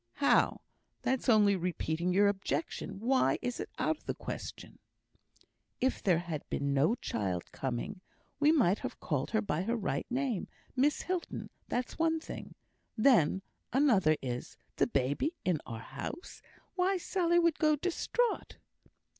"How? that's only repeating your objection. Why is it out of the question?" "If there had been no child coming, we might have called her by her right name Miss Hilton; that's one thing. Then, another is, the baby in our house. Why, Sally would go distraught!"